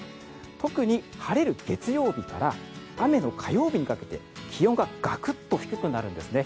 特に晴れる月曜日から雨の火曜日にかけて気温がガクッと低くなるんですね。